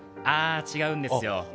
あー、違うんです。